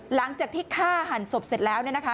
หลังจากที่ฆ่าหันศพเสร็จแล้ว